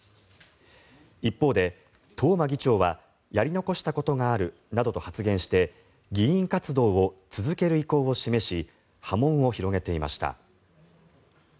一方で東間議長はやり残したことがあるなどと発言して議員活動を続ける意向を示し波紋を広げていました。